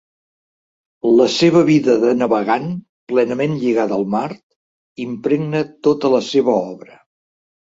La seva vida de navegant, plenament lligada al mar, impregna tota la seva obra.